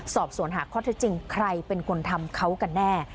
สอบสวนหาข้อเท็จจริงใครเป็นคนทำเขากันแน่